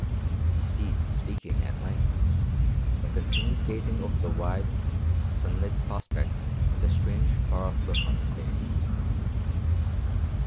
He ceased speaking at length, but continued gazing over the wide, sunlit prospect with a strange, far off look on his face.